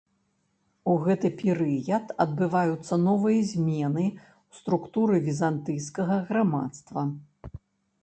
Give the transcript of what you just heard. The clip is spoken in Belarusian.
У гэты перыяд адбываюцца новыя змены ў структуры візантыйскага грамадства.